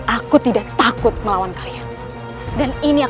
aku tidak takut melawan kalian